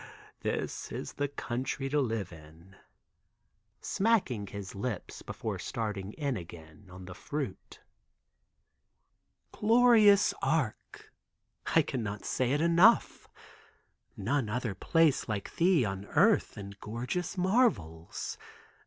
Ah, this is the Country to live in!" Smacking his lips before starting in again on the fruit. "Glorious Arc!" I can not say it enough! None other place like thee on earth in gorgeous marvels!